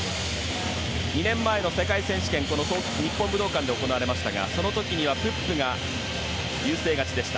２年前の世界選手権この日本武道館で行われましたがその時にはプップが優勢勝ちでした。